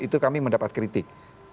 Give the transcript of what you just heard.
itu kami mendapat kritik